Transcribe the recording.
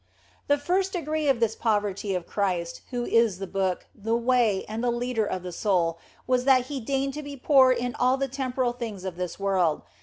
The first degree of this perfect poverty of Christ, who is the Book, the Way, and the Leader of the soul, was that He deigned to be poor in all the temporal things of this world.